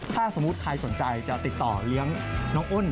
ถ้าสมมุติใครสนใจจะติดต่อเลี้ยงน้องอ้น